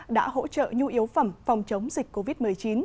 đã hỗ trợ nhu yếu phẩm phòng chống dịch covid một mươi chín